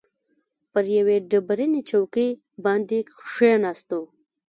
پر یوې ډبرینې چوکۍ باندې کښېناستو.